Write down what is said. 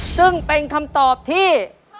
ซึ่งเป็นคำตอบที่